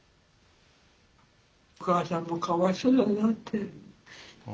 お母さんもかわいそうだなって。